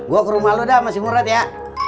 gue ke rumah lo dah masih murat ya